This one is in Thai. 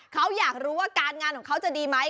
เขาอยากรู้ว่าการงานของเขาจะดีไหม